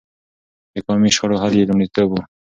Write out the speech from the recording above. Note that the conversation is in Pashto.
د قومي شخړو حل يې لومړيتوب و.